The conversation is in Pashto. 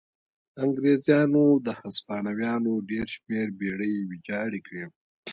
انګرېزانو د هسپانویانو ډېر شمېر بېړۍ ویجاړې کړې.